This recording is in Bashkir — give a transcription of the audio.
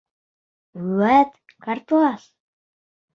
Вәт ҡартлас!